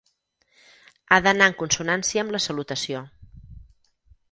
Ha d’anar en consonància amb la salutació.